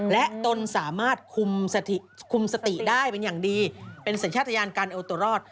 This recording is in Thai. และตนสามารถคุมสติได้เป็นอย่างดีเป็นสัญชาติยานการเอวตัวรอด